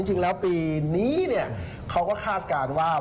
จริงแล้วปีนี้เขาก็คาดการณ์ว่า